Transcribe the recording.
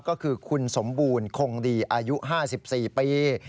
ก็คือคุณสมบูรณ์คงดีอายุ๕๔ปี